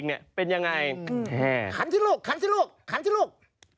คันที่ลูก